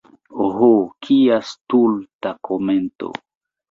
Ho, kia stulta komento!